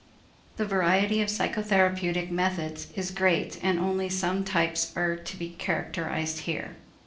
The variety of the psychotherapeutic methods is great and only some types are to be characterized here.